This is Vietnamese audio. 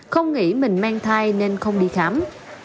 không nghĩ mình mang thai nên không đi khám